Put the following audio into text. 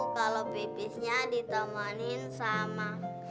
kalau pipisnya ditemani sama